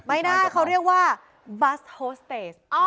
ไม่ได้เขาเรียกว่าบัสโฮสเตส